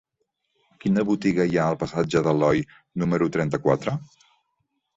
Quina botiga hi ha al passatge d'Aloi número trenta-quatre?